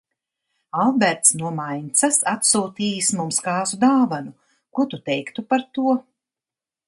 Alberts no Maincas atsūtījis mums kāzu dāvanu, ko tu teiktu par to?